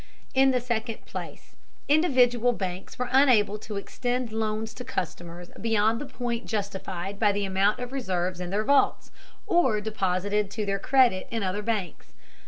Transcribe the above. In the second place, individual banks were unable to extend loans to customers beyond the point justified by the amount of reserves in their vaults, or deposited to their credit in other banks.